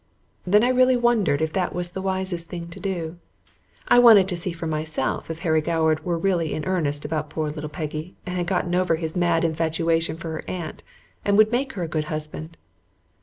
Then I really wondered if that was the wisest thing to do. I wanted to see for myself if Harry Goward were really in earnest about poor little Peggy and had gotten over his mad infatuation for her aunt and would make her a good husband.